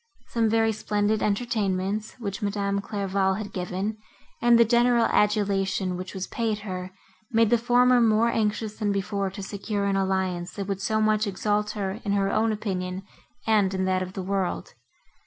Some very splendid entertainments, which Madame Clairval had given, and the general adulation, which was paid her, made the former more anxious than before to secure an alliance, that would so much exalt her in her own opinion and in that of the world.